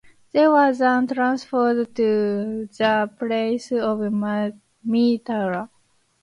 They were then transferred to the palace of Mitra.